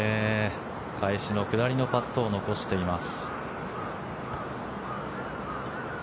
返しの下りのパットを残しています。